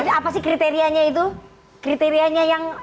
jadi apa sih kriterianya itu kriterianya yang